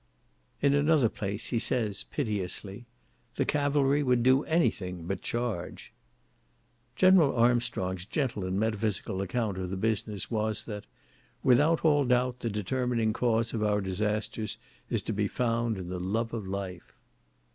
In another place he says, piteously,—"The cavalry would do any thing but charge." General Armstrong's gentle and metaphysical account of the business was, that—"Without all doubt the determining cause of our disasters is to be found in the love of life."